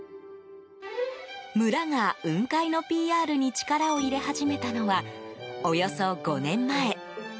村が、雲海のＰＲに力を入れ始めたのはおよそ５年前。